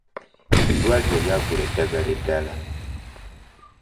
Eddwaliro lyagula eddagala eddala.